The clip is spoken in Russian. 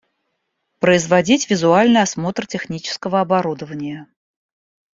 Производить визуальный осмотр технического оборудования